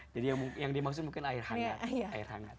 jadi yang dimaksud mungkin air hangat